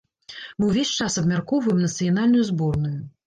Мы ўвесь час абмяркоўваем нацыянальную зборную.